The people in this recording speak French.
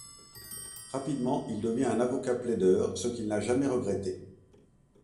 Rapidement, il devient un avocat plaideur, ce qu'il n'a jamais regretté.